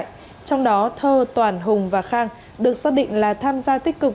trong đó thơ toàn hùng và khang được xác định là tham gia tích cực